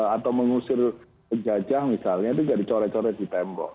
atau mengusir jajah misalnya itu tidak dicoret coret di tembok